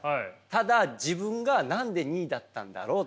ただ自分が何で２位だったんだろうっていう。